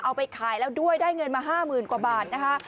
เอาไปขายแล้วด้วยได้เงินมา๕๐๐๐กว่าบาทนะคะ